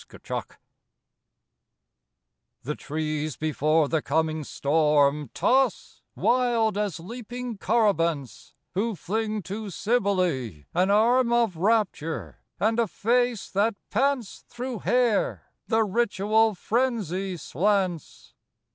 TEMPEST The trees before the coming storm Toss, wild as leaping Corybants Who fling to Cybele an arm Of rapture, and a face that pants Through hair the ritual frenzy slants.